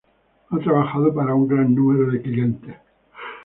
Ha trabajado para un gran número de clientes.